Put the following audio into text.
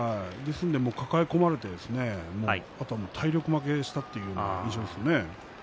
抱え込まれて体力負けしたという印象ですね。